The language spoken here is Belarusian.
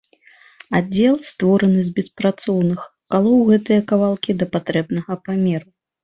Аддзел, створаны з беспрацоўных, калоў гэтыя кавалкі да патрэбнага памеру.